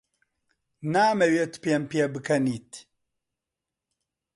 نامەوێت پێم پێبکەنیت.